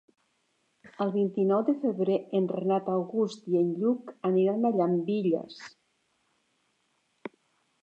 El vint-i-nou de febrer en Renat August i en Lluc aniran a Llambilles.